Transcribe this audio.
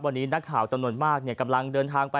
วันนี้นักข่าวจำนวนมากกำลังเดินทางไป